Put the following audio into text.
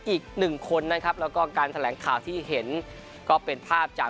อีกหนึ่งคนนะครับแล้วก็การแถลงข่าวที่เห็นก็เป็นภาพจาก